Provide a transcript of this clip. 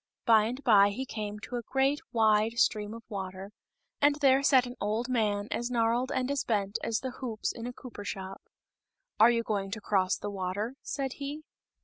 By and by he came to a great wide stream of water, and there sat an old man as gnarled and as bent as the hoops in a cooper shop. "Are you going to cross the water?" said he.